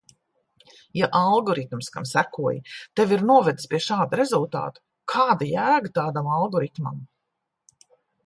Ja algoritms, kam sekoji, tevi ir novedis pie šāda rezultāta, kāda jēga tādam algoritmam?